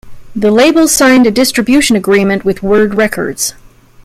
The label signed a distribution agreement with Word Records.